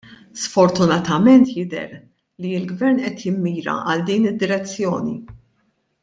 Sfortunatament jidher li l-Gvern qed jimmira għal din id-direzzjoni.